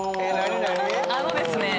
あのですね